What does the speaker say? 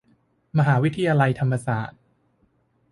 มหาวิทยาลัยธรรมศาสตร์